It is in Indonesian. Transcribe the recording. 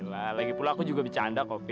jelah lagi pula aku juga bercanda kok pi